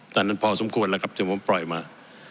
แต่นั้นพอสมควรละครับฉันจะปล่อยมา